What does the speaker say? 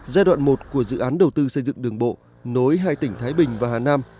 giai đoạn một của dự án đầu tư xây dựng đường bộ nối hai tỉnh thái bình và hà nam